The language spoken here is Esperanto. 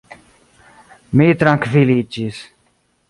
Mi trankviliĝis.